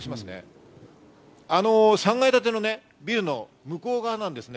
３階建てのビルの向こう側なんですね。